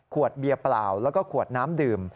เบียร์เปล่าแล้วก็ขวดน้ำดื่ม